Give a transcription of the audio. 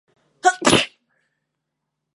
浦和车站的铁路车站。